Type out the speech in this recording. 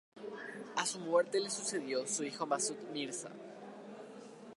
A su muerte le sucedió su hijo Masud Mirza.